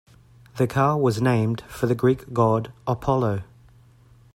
The car was named for the Greek God Apollo.